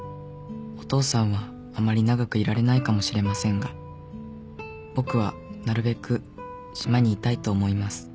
お父さんはあまり長くいられないかもしれませんが僕はなるべく島にいたいと思います。